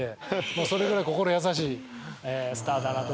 もうそれぐらい心優しいスターだなと思いますね。